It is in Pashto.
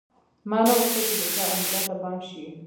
ما نه غوښتل چې د چا انیلا ته پام شي